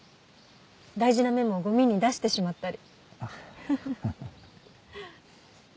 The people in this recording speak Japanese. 大事なメモをゴミに出してしまったり。